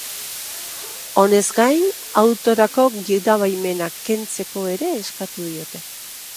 Honez gain, autorako gidabaimena kentzeko ere eskatu diote.